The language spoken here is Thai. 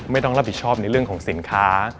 ไม่ต้องรับผิดชอบในเรื่องของสินค้า